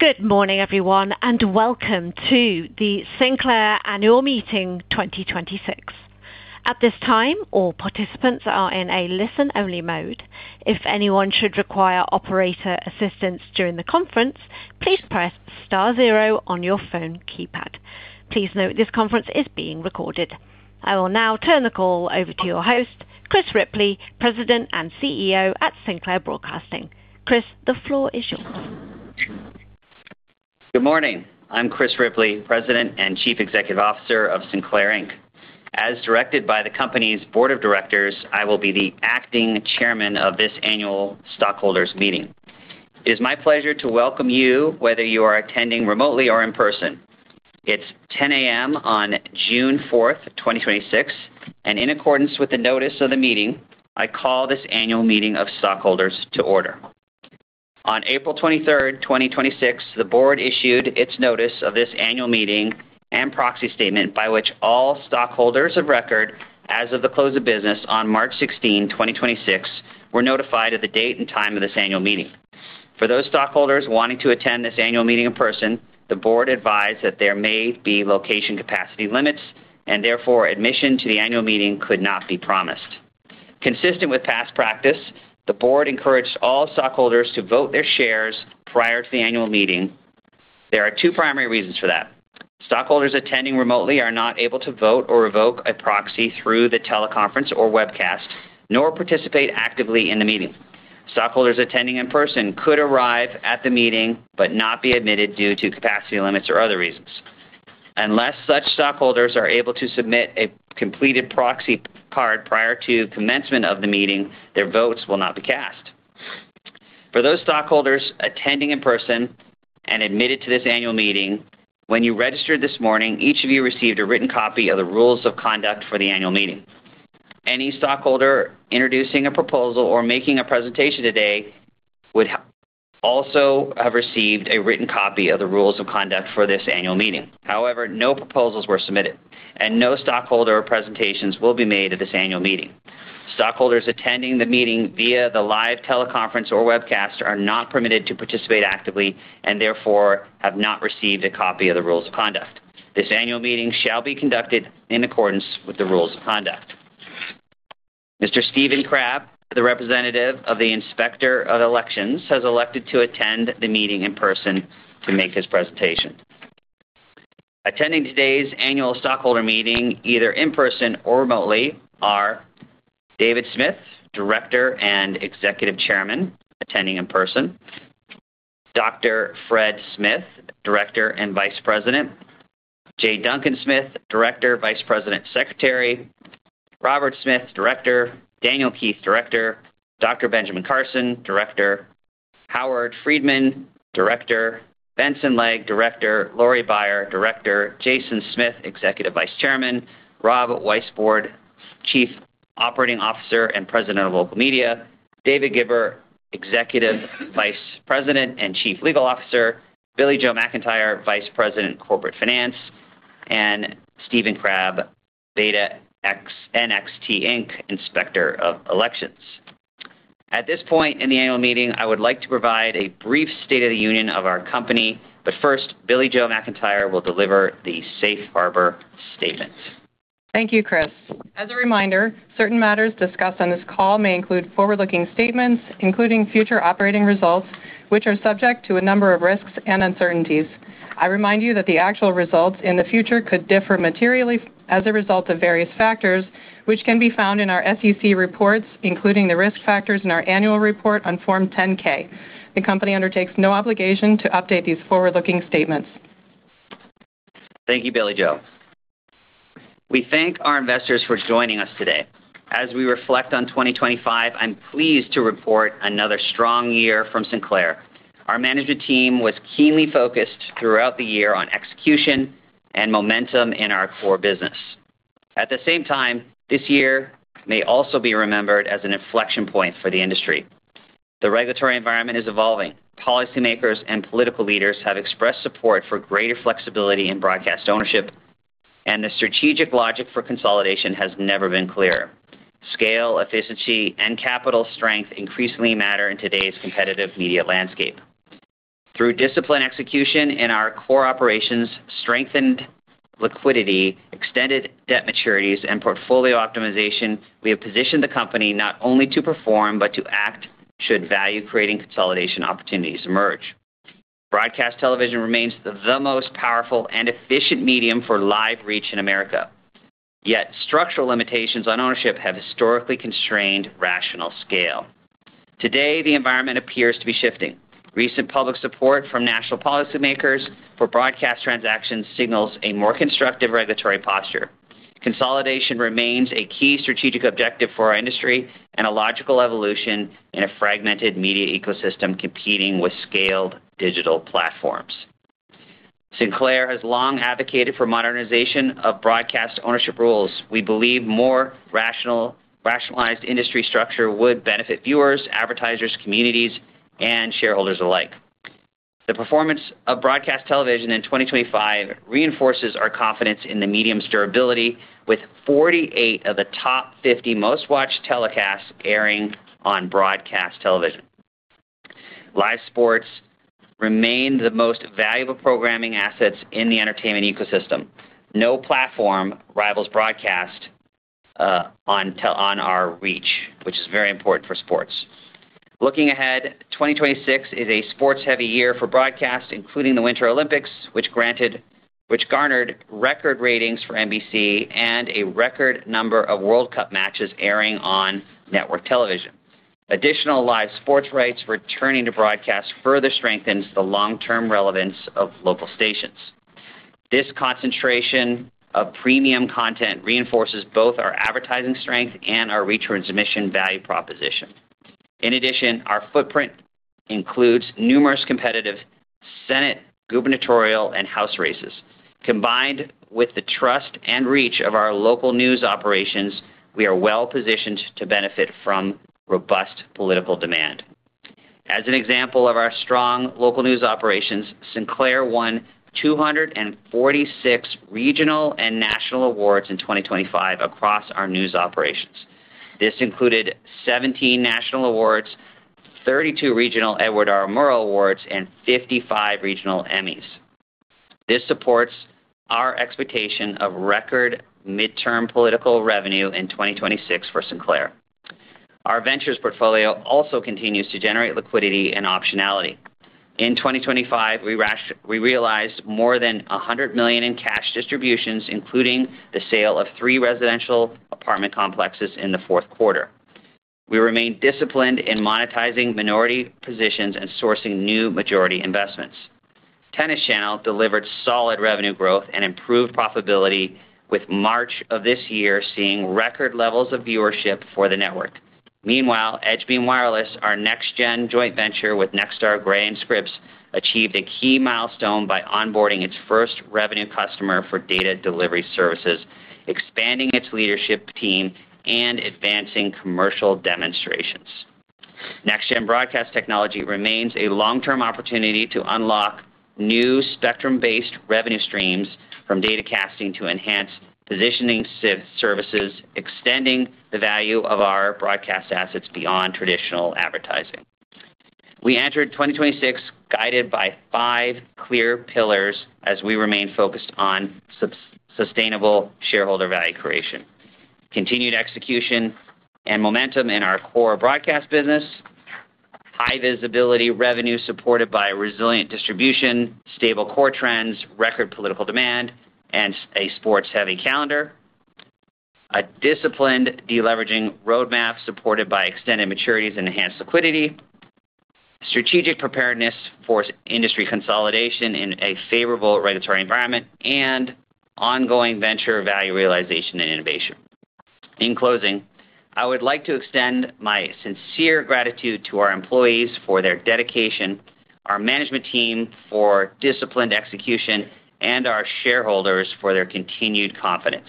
Good morning everyone, and welcome to the Sinclair annual meeting 2026. At this time, all participants are in a listen-only mode. If anyone should require operator assistance during the conference, please press star zero on your phone keypad. Please note this conference is being recorded. I will now turn the call over to your host, Chris Ripley, President and CEO at Sinclair Broadcast Group. Chris, the floor is yours. Good morning. I'm Chris Ripley, President and Chief Executive Officer of Sinclair, Inc. As directed by the company's board of directors, I will be the acting chairman of this annual stockholders meeting. It is my pleasure to welcome you, whether you are attending remotely or in person. It's 10:00 A.M. on June 4th, 2026, and in accordance with the notice of the meeting, I call this annual meeting of stockholders to order. On April 23rd, 2026, the board issued its notice of this annual meeting and proxy statement by which all stockholders of record as of the close of business on March 16, 2026, were notified of the date and time of this annual meeting. For those stockholders wanting to attend this annual meeting in person, the board advised that there may be location capacity limits, and therefore admission to the annual meeting could not be promised. Consistent with past practice, the board encouraged all stockholders to vote their shares prior to the annual meeting. There are two primary reasons for that. Stockholders attending remotely are not able to vote or revoke a proxy through the teleconference or webcast, nor participate actively in the meeting. Stockholders attending in person could arrive at the meeting but not be admitted due to capacity limits or other reasons. Unless such stockholders are able to submit a completed proxy card prior to commencement of the meeting, their votes will not be cast. For those stockholders attending in person and admitted to this annual meeting, when you registered this morning, each of you received a written copy of the rules of conduct for the annual meeting. Any stockholder introducing a proposal or making a presentation today would also have received a written copy of the rules of conduct for this annual meeting. However, no proposals were submitted, and no stockholder presentations will be made at this annual meeting. Stockholders attending the meeting via the live teleconference or webcast are not permitted to participate actively and therefore have not received a copy of the rules of conduct. This annual meeting shall be conducted in accordance with the rules of conduct. Mr. Steven Crabb, the representative of the Inspector of Elections, has elected to attend the meeting in person to make his presentation. Attending today's annual stockholder meeting, either in person or remotely, are David Smith, Director and Executive Chairman, attending in person. Dr. Fred Smith, Director and Vice President. J. Duncan Smith, Director, Vice President, Secretary. Robert Smith, Director. Daniel Keith, Director. Dr. Benjamin Carson, Director. Howard Friedman, Director. Benson Legg, Director. Laurie Beyer, Director. Jason Smith, Executive Vice Chairman. Rob Weisbord, Chief Operating Officer and President of Broadcast. David Gibber, Executive Vice President and Chief Legal Officer. Billie-Jo McIntire, Vice President, Corporate Finance, and Steven Crabb, BetaNXT, Inc., Inspector of Elections. At this point in the annual meeting, I would like to provide a brief state of the union of our company, but first, Billie-Jo McIntire will deliver the safe harbor statement. Thank you, Chris. As a reminder, certain matters discussed on this call may include forward-looking statements, including future operating results, which are subject to a number of risks and uncertainties. I remind you that the actual results in the future could differ materially as a result of various factors, which can be found in our SEC reports, including the risk factors in our annual report on Form 10-K. The company undertakes no obligation to update these forward-looking statements. Thank you, Billie-Jo. We thank our investors for joining us today. As we reflect on 2025, I'm pleased to report another strong year from Sinclair. Our management team was keenly focused throughout the year on execution and momentum in our core business. At the same time, this year may also be remembered as an inflection point for the industry. The regulatory environment is evolving. Policymakers and political leaders have expressed support for greater flexibility in broadcast ownership, and the strategic logic for consolidation has never been clearer. Scale, efficiency, and capital strength increasingly matter in today's competitive media landscape. Through disciplined execution in our core operations, strengthened liquidity, extended debt maturities, and portfolio optimization, we have positioned the company not only to perform but to act should value-creating consolidation opportunities emerge. Broadcast television remains the most powerful and efficient medium for live reach in America. Yet structural limitations on ownership have historically constrained rational scale. Today, the environment appears to be shifting. Recent public support from national policymakers for broadcast transactions signals a more constructive regulatory posture. Consolidation remains a key strategic objective for our industry and a logical evolution in a fragmented media ecosystem competing with scaled digital platforms. Sinclair has long advocated for modernization of broadcast ownership rules. We believe more rationalized industry structure would benefit viewers, advertisers, communities, and shareholders alike. The performance of broadcast television in 2025 reinforces our confidence in the medium's durability with 48 of the top 50 most-watched telecasts airing on broadcast television. Live sports remain the most valuable programming assets in the entertainment ecosystem. No platform rivals broadcast on our reach, which is very important for sports. Looking ahead, 2026 is a sports-heavy year for broadcast, including the Winter Olympics, which garnered record ratings for NBC and a record number of World Cup matches airing on network television. Additional live sports rights returning to broadcast further strengthens the long-term relevance of local stations. This concentration of premium content reinforces both our advertising strength and our retransmission value proposition. In addition, our footprint includes numerous competitive Senate, gubernatorial, and house races. Combined with the trust and reach of our local news operations, we are well-positioned to benefit from robust political demand. As an example of our strong local news operations, Sinclair won 246 regional and national awards in 2025 across our news operations. This included 17 national awards, 32 regional Edward R. Murrow Awards, and 55 regional Emmys. This supports our expectation of record midterm political revenue in 2026 for Sinclair. Our ventures portfolio also continues to generate liquidity and optionality. In 2025, we realized more than $100 million in cash distributions, including the sale of three residential apartment complexes in the fourth quarter. We remain disciplined in monetizing minority positions and sourcing new majority investments. Tennis Channel delivered solid revenue growth and improved profitability, with March of this year seeing record levels of viewership for the network. Meanwhile, EdgeBeam Wireless, our NextGen joint venture with Nexstar, Gray, and Scripps, achieved a key milestone by onboarding its first revenue customer for data delivery services, expanding its leadership team, and advancing commercial demonstrations. NextGen broadcast technology remains a long-term opportunity to unlock new spectrum-based revenue streams from datacasting to enhanced positioning services, extending the value of our broadcast assets beyond traditional advertising. We entered 2026 guided by five clear pillars as we remain focused on sustainable shareholder value creation. Continued execution and momentum in our core broadcast business, high visibility revenue supported by resilient distribution, stable core trends, record political demand, and a sports-heavy calendar, a disciplined de-leveraging roadmap supported by extended maturities and enhanced liquidity, strategic preparedness for industry consolidation in a favorable regulatory environment, and ongoing venture value realization and innovation. In closing, I would like to extend my sincere gratitude to our employees for their dedication, our management team for disciplined execution, and our shareholders for their continued confidence.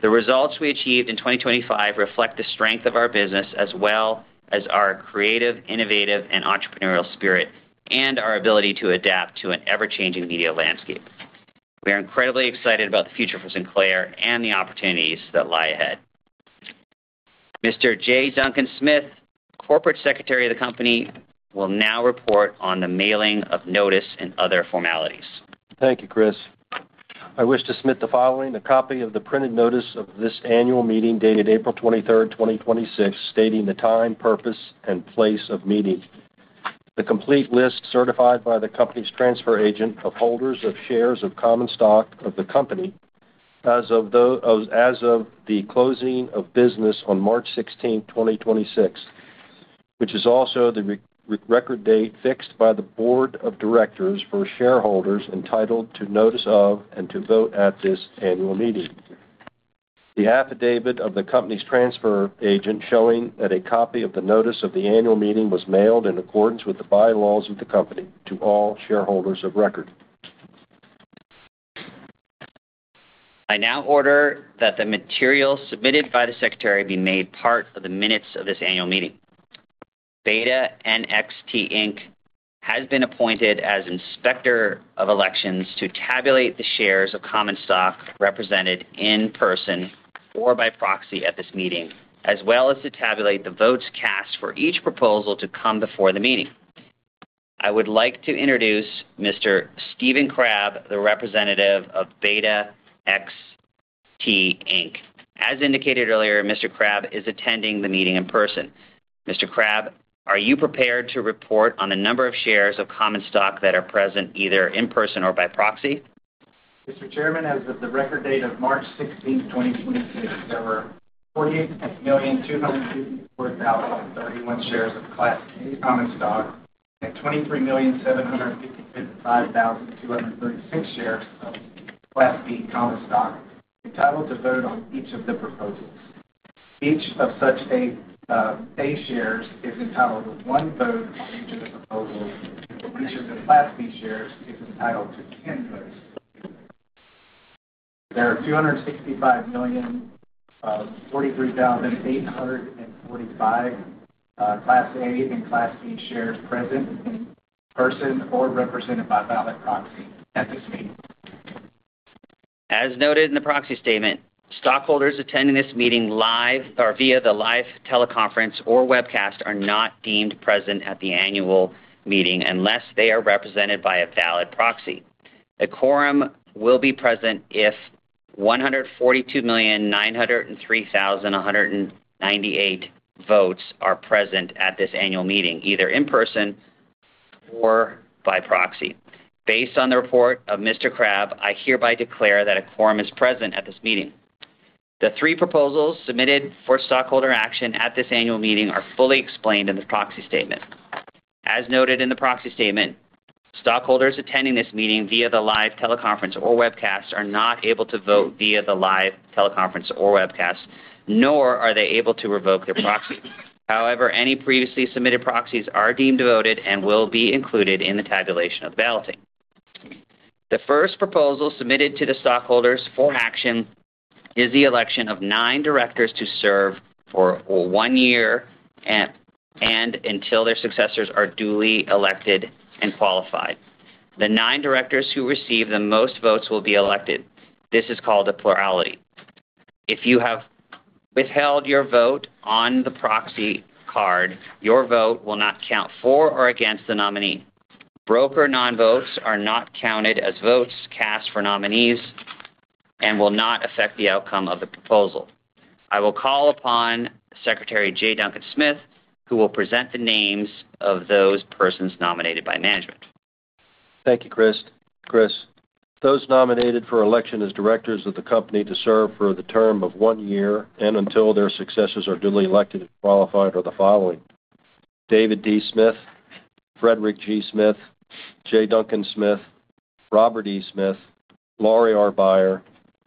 The results we achieved in 2025 reflect the strength of our business as well as our creative, innovative, and entrepreneurial spirit and our ability to adapt to an ever-changing media landscape. We are incredibly excited about the future for Sinclair and the opportunities that lie ahead. Mr. J. Duncan Smith, Corporate Secretary of the company, will now report on the mailing of notice and other formalities. Thank you, Chris. I wish to submit the following: a copy of the printed notice of this annual meeting dated April 23rd, 2026, stating the time, purpose, and place of meeting. The complete list certified by the company's transfer agent of holders of shares of common stock of the company as of the closing of business on March 16th, 2026, which is also the record date fixed by the board of directors for shareholders entitled to notice of and to vote at this annual meeting. The affidavit of the company's transfer agent showing that a copy of the notice of the annual meeting was mailed in accordance with the bylaws of the company to all shareholders of record. I now order that the material submitted by the secretary be made part of the minutes of this annual meeting. BetaNXT, Inc. has been appointed as inspector of elections to tabulate the shares of common stock represented in person or by proxy at this meeting, as well as to tabulate the votes cast for each proposal to come before the meeting. I would like to introduce Mr. Steven Crabb, the representative of BetaNXT, Inc. As indicated earlier, Mr. Crabb is attending the meeting in person. Mr. Crabb, are you prepared to report on the number of shares of common stock that are present, either in person or by proxy? Mr. Chairman, as of the record date of March 16th, 2026, there were 48,254,031 shares of Class A common stock and 23,755,236 shares of Class B common stock entitled to vote on each of the proposals. Each of such A shares is entitled to one vote on each of the proposals. Each of the Class B shares is entitled to 10 votes. There are 265,043,845 Class A and Class B shares present in person or represented by valid proxy at this meeting. As noted in the proxy statement, stockholders attending this meeting live or via the live teleconference or webcast are not deemed present at the annual meeting unless they are represented by a valid proxy. A quorum will be present if 142,903,198 votes are present at this annual meeting, either in person or by proxy. Based on the report of Mr. Crabb, I hereby declare that a quorum is present at this meeting. The three proposals submitted for stockholder action at this annual meeting are fully explained in the proxy statement. As noted in the proxy statement, stockholders attending this meeting via the live teleconference or webcast are not able to vote via the live teleconference or webcast, nor are they able to revoke their proxy. Any previously submitted proxies are deemed voted and will be included in the tabulation of balloting. The first proposal submitted to the stockholders for action is the election of nine directors to serve for one year and until their successors are duly elected and qualified. The nine directors who receive the most votes will be elected. This is called a plurality. If you have withheld your vote on the proxy card, your vote will not count for or against the nominee. Broker non-votes are not counted as votes cast for nominees and will not affect the outcome of the proposal. I will call upon Secretary J. Duncan Smith, who will present the names of those persons nominated by management. Thank you, Chris. Those nominated for election as directors of the company to serve for the term of one year and until their successors are duly elected and qualified are the following: David D. Smith, Frederick G. Smith, J. Duncan Smith, Robert E. Smith, Laurie R. Beyer,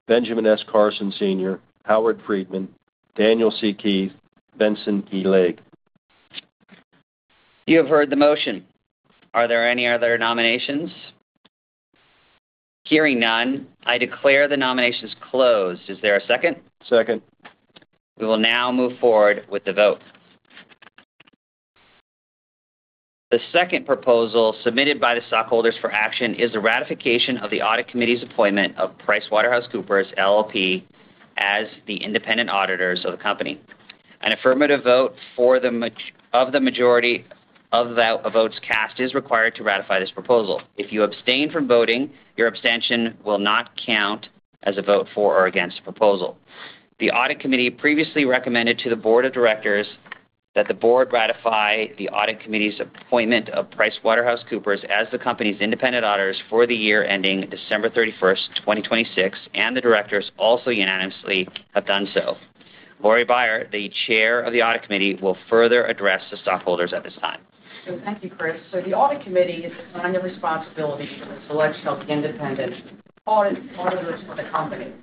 Benjamin S. Carson, Sr., Howard Friedman, Daniel C. Keith, Benson E. Legg. You have heard the motion. Are there any other nominations? Hearing none, I declare the nominations closed. Is there a second? Second. We will now move forward with the vote. The second proposal submitted by the stockholders for action is the ratification of the audit committee's appointment of PricewaterhouseCoopers LLP as the independent auditors of the company. An affirmative vote of the majority of the votes cast is required to ratify this proposal. If you abstain from voting, your abstention will not count as a vote for or against the proposal. The audit committee previously recommended to the board of directors that the board ratify the audit committee's appointment of PricewaterhouseCoopers as the company's independent auditors for the year ending December 31st, 2026, and the directors also unanimously have done so. Laurie Beyer, the Chair of the Audit Committee, will further address the stockholders at this time. Thank you, Chris. The audit committee is assigned the responsibility for the selection of the independent auditors for the company.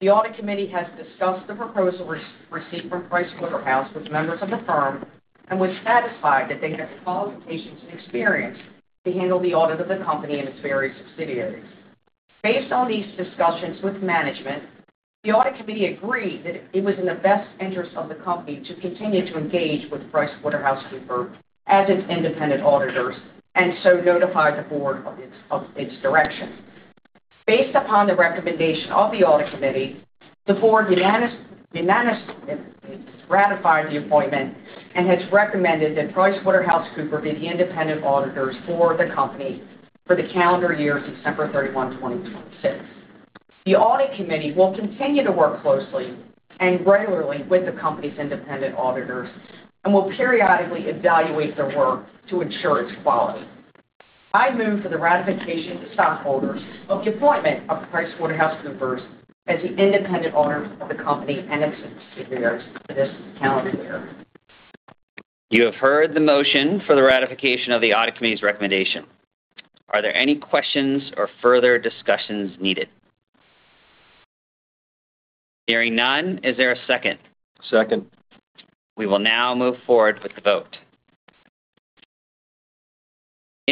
The audit committee has discussed the proposal received from Pricewaterhouse with members of the firm and was satisfied that they have the qualifications and experience to handle the audit of the company and its various subsidiaries. Based on these discussions with management, the audit committee agreed that it was in the best interest of the company to continue to engage with PricewaterhouseCoopers as its independent auditors and so notified the board of its direction. Based upon the recommendation of the audit committee, the board unanimously ratified the appointment and has recommended that PricewaterhouseCoopers be the independent auditors for the company for the calendar year December 31, 2026. The audit committee will continue to work closely and regularly with the company's independent auditors and will periodically evaluate their work to ensure its quality. I move for the ratification to stockholders of the appointment of PricewaterhouseCoopers as the independent auditors of the company and its subsidiaries for this calendar year. You have heard the motion for the ratification of the audit committee's recommendation. Are there any questions or further discussions needed? Hearing none, is there a second? Second. We will now move forward with the vote. In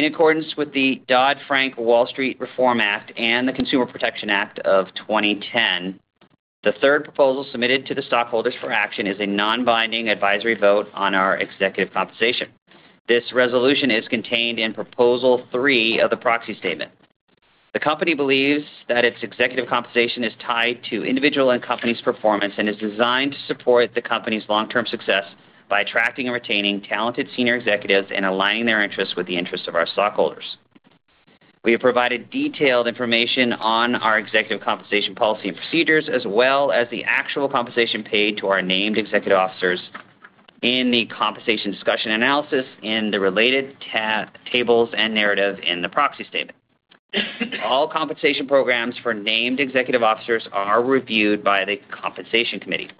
accordance with the Dodd-Frank Wall Street Reform Act and the Consumer Protection Act of 2010, the third proposal submitted to the stockholders for action is a non-binding advisory vote on our executive compensation. This resolution is contained in Proposal 3 of the proxy statement. The company believes that its executive compensation is tied to individual and company's performance and is designed to support the company's long-term success by attracting and retaining talented senior executives and aligning their interests with the interests of our stockholders. We have provided detailed information on our executive compensation policy and procedures, as well as the actual compensation paid to our named executive officers in the compensation discussion analysis in the related tables and narrative in the proxy statement. All compensation programs for named executive officers are reviewed by the Compensation Committee.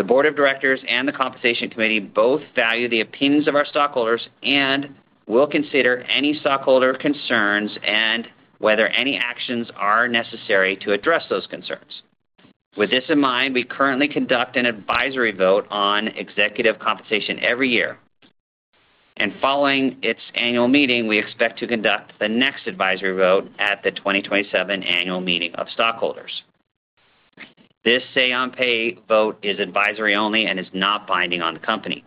The Board of Directors and the Compensation Committee both value the opinions of our stockholders and will consider any stockholder concerns and whether any actions are necessary to address those concerns. With this in mind, we currently conduct an advisory vote on executive compensation every year. Following its annual meeting, we expect to conduct the next advisory vote at the 2027 annual meeting of stockholders. This say-on-pay vote is advisory only and is not binding on the company.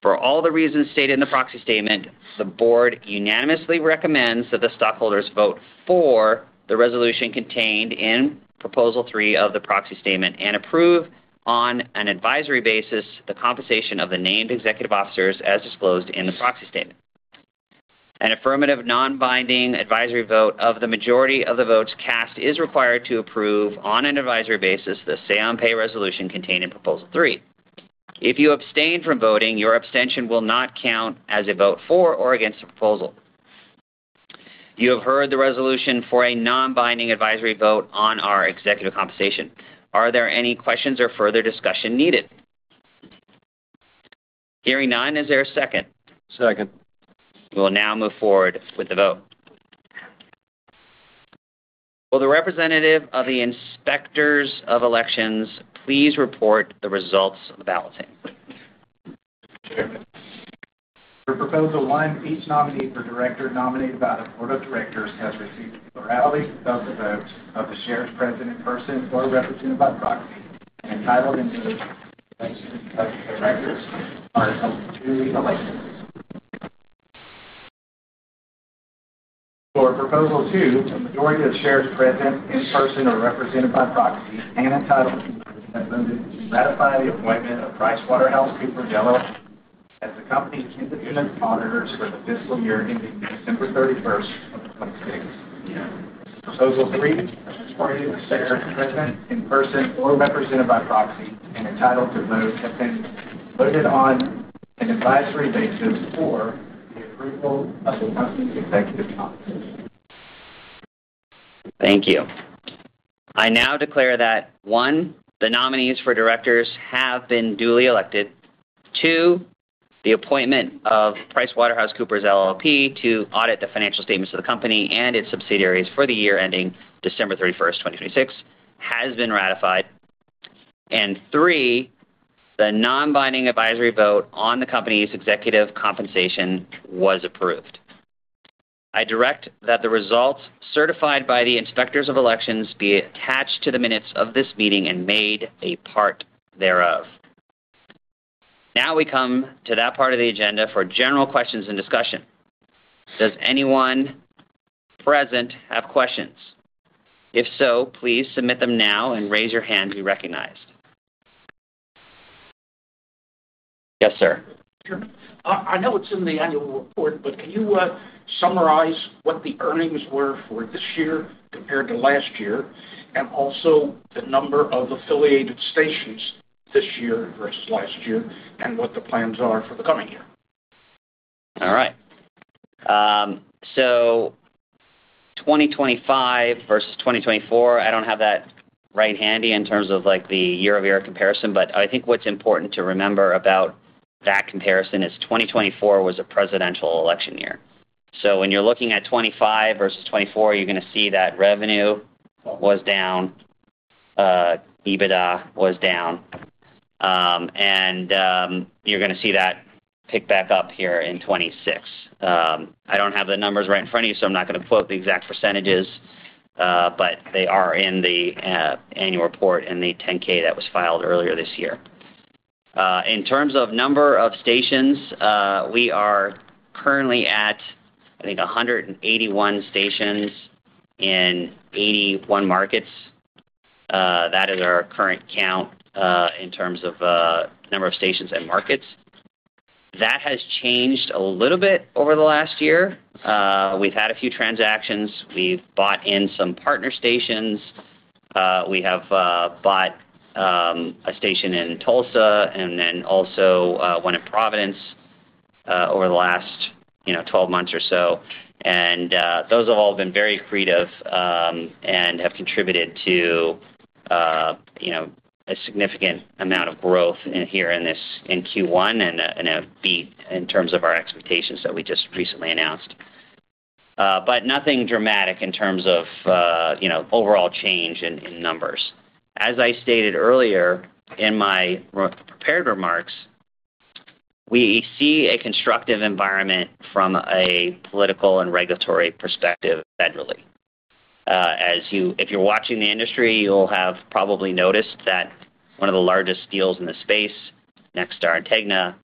For all the reasons stated in the proxy statement, the board unanimously recommends that the stockholders vote for the resolution contained in Proposal 3 of the proxy statement and approve, on an advisory basis, the compensation of the named executive officers as disclosed in the proxy statement. An affirmative, non-binding advisory vote of the majority of the votes cast is required to approve, on an advisory basis, the say-on-pay resolution contained in Proposal 3. If you abstain from voting, your abstention will not count as a vote for or against the proposal. You have heard the resolution for a non-binding advisory vote on our executive compensation. Are there any questions or further discussion needed? Hearing none, is there a second? Second. We will now move forward with the vote. Will the representative of the Inspectors of Elections please report the results of the balloting? Chairman. For Proposal one, each nominee for director nominated by the Board of Directors has received a plurality of votes of the shares present in person or represented by proxy, entitled. For Proposal 2, a majority of shares present in person or represented by proxy and entitled to vote have ratified the appointment of PricewaterhouseCoopers LLP as the company's independent auditors for the fiscal year ending December 31st of 2026. Proposal 3, a majority of shares present in person or represented by proxy and entitled to vote have been voted on an advisory basis for the approval of the company's executive compensation. Thank you. I now declare that, one, the nominees for directors have been duly elected. Two, the appointment of PricewaterhouseCoopers LLP to audit the financial statements of the company and its subsidiaries for the year ending December 31st, 2026, has been ratified. Three, the non-binding advisory vote on the company's executive compensation was approved. I direct that the results certified by the Inspectors of Elections be attached to the minutes of this meeting and made a part thereof. Now we come to that part of the agenda for general questions and discussion. Does anyone present have questions? If so, please submit them now and raise your hand to be recognized. Yes, sir. I know it's in the annual report, but can you summarize what the earnings were for this year compared to last year, and also the number of affiliated stations this year versus last year, and what the plans are for the coming year? All right. 2025 versus 2024, I don't have that right handy in terms of the year-over-year comparison, but I think what's important to remember about that comparison is 2024 was a presidential election year. When you're looking at 2025 versus 2024, you're going to see that revenue was down, EBITDA was down, and you're going to see that pick back up here in 2026. I don't have the numbers right in front of you, so I'm not going to quote the exact percentages, but they are in the annual report in the 10-K that was filed earlier this year. In terms of number of stations, we are currently at 181 stations in 81 markets. That is our current count in terms of number of stations and markets. That has changed a little bit over the last year. We've had a few transactions. We've bought in some partner stations. We have bought a station in Tulsa and then also one in Providence over the last 12 months or so. Those have all been very accretive and have contributed to a significant amount of growth here in Q1 and a beat in terms of our expectations that we just recently announced. Nothing dramatic in terms of overall change in numbers. As I stated earlier in my prepared remarks, we see a constructive environment from a political and regulatory perspective federally. If you're watching the industry, you'll have probably noticed that one of the largest deals in the space. Nexstar and Tegna,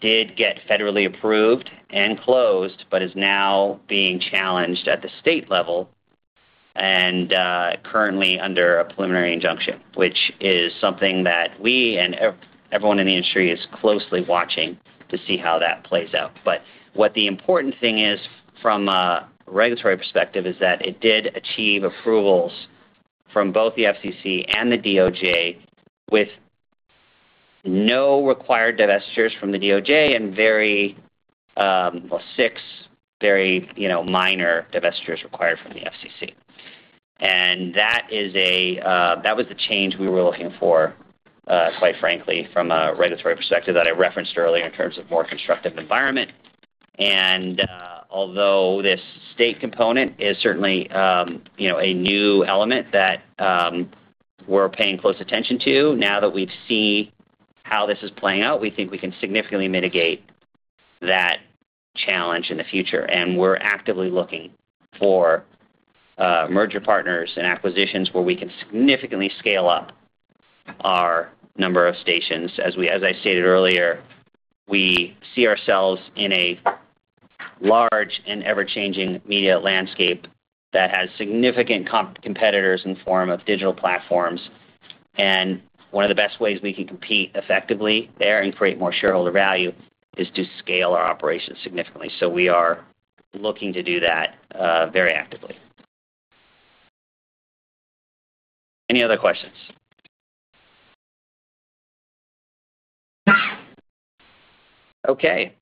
did get federally approved and closed, but is now being challenged at the state level and currently under a preliminary injunction, which is something that we and everyone in the industry is closely watching to see how that plays out. What the important thing is from a regulatory perspective is that it did achieve approvals from both the FCC and the DOJ with no required divestitures from the DOJ and six very minor divestitures required from the FCC. That was the change we were looking for, quite frankly, from a regulatory perspective that I referenced earlier in terms of more constructive environment. Although this state component is certainly a new element that we're paying close attention to, now that we see how this is playing out, we think we can significantly mitigate that challenge in the future. We're actively looking for merger partners and acquisitions where we can significantly scale up our number of stations. As I stated earlier, we see ourselves in a large and ever-changing media landscape that has significant competitors in the form of digital platforms. One of the best ways we can compete effectively there and create more shareholder value is to scale our operations significantly. We are looking to do that very actively. Any other questions? Okay.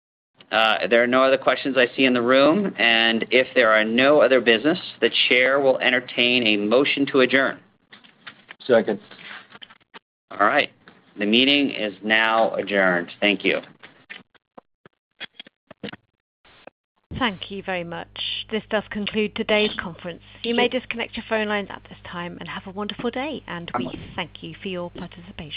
There are no other questions I see in the room, and if there are no other business, the chair will entertain a motion to adjourn. Second. All right. The meeting is now adjourned. Thank you. Thank you very much. This does conclude today's conference. You may disconnect your phone lines at this time, and have a wonderful day. We thank you for your participation.